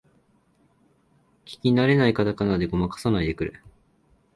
聞きなれないカタカナでごまかさないでくれ